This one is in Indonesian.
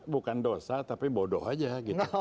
bukan dosa tapi bodoh aja gitu